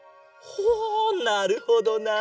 ほうなるほどなあ。